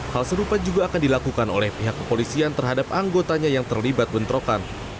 hal serupa juga akan dilakukan oleh pihak kepolisian terhadap anggotanya yang terlibat bentrokan